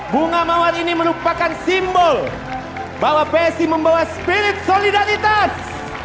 bunga mawar ini merupakan simbol bahwa psi membawa spirit solidaritas